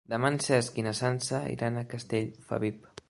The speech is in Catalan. Demà en Cesc i na Sança iran a Castellfabib.